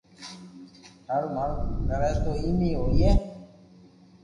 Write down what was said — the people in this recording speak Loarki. ٿارو مارو ڪرو تو ايم اي ھوئي